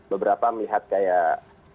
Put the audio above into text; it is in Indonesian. beberapa melihat kayak